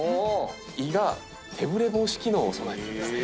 胃が手振れ防止機能を備えてるんですね。